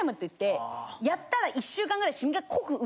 やったら。